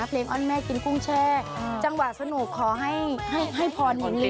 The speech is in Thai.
เพลงอ้อนแม่กินกุ้งแช่จังหวะสนุกขอให้ฟ้อนมีนรีบ